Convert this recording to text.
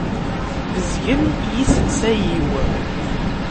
Bezgen yiselsa-iw.